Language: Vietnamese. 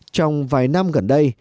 trong vài năm gần đây